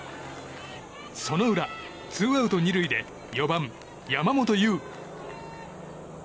その裏、ツーアウト２塁で４番、山本優。